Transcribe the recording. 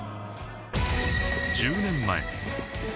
１０年前。